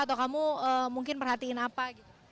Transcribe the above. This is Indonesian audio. atau kamu mungkin perhatiin apa gitu